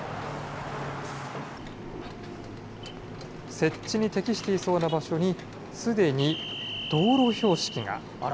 設置に適していそうな場所に、すでに道路標識が。